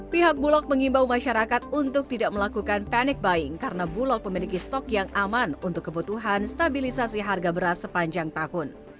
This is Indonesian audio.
pihak bulog mengimbau masyarakat untuk tidak melakukan panic buying karena bulog memiliki stok yang aman untuk kebutuhan stabilisasi harga beras sepanjang tahun